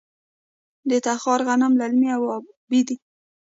د تخار غنم للمي او ابي وي.